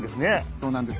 そうなんです。